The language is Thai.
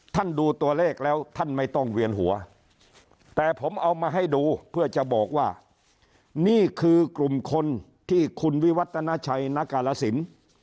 ดูตัวเลขแล้วท่านไม่ต้องเวียนหัวแต่ผมเอามาให้ดูเพื่อจะบอกว่านี่คือกลุ่มคนที่คุณวิวัตนาชัยณกาลสิน